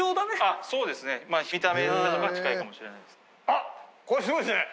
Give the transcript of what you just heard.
あっこれすごいですね。